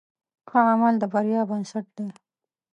ښه عمل د بریا بنسټ دی.